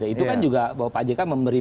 itu kan juga pak jekan memberi